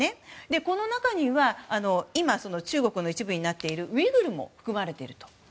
この中には、今中国の一部になっているウイグルも含まれていると。